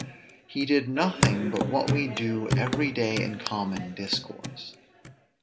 He did nothing but what we do every day in common discourse.